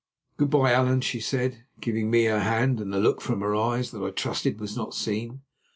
"Good bye, Allan," she said, giving me her hand and a look from her eyes that I trusted was not seen.